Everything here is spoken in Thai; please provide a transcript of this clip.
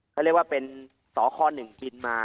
เขาเรียกว่าเป็นสค๑บินมา